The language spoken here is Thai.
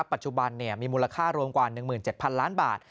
ปัจจุบันมีมูลค่ารวมกว่า๑๗๐๐ล้านบาท